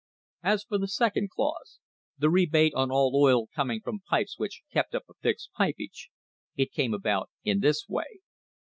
As for the second clause — the rebate on all oil coming from pipes which kept up a fixed pipage — it came about in this way.